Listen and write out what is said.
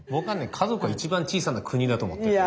家族が一番小さな国だと思ってる。